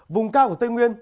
vùng cao của tây nguyên